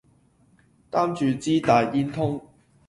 担住支大烟通